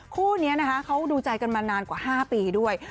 คู่นี้นะคะเขาดูใจกันมานานกว่า๕ปีด้วย